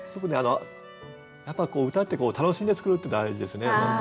やっぱ歌って楽しんで作るって大事ですね。